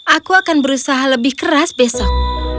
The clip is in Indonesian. aku akan berusaha lebih keras besok